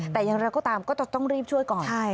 แต่ยังเราก็ตามก็ต้องรีบช่วยก่อน